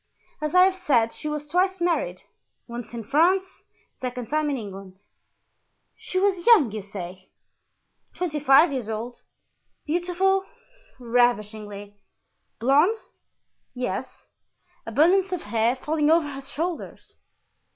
As I have said, she was twice married, once in France, the second time in England." "She was young, you say?" "Twenty five years old." "Beautiful?" "Ravishingly." "Blond?" "Yes." "Abundance of hair—falling over her shoulders?"